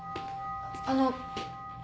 あの。